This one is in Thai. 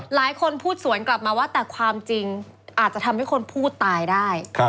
หลายคนพูดสวนกลับมาว่าแต่ความจริงอาจจะทำให้คนผู้ตายได้